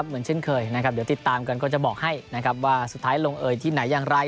เหมือนเช่นเคยติดตามก่อนจะบอกให้ว่าสุดท้ายลงเอ่ยที่ไหนอย่างไร